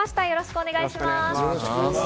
よろしくお願いします。